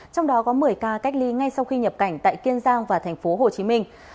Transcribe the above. trong đó có một mươi ca cách ly ngay sau khi nhập cảnh tại kiên giang và tp hcm